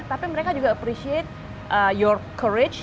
tapi mereka juga appreciate your courage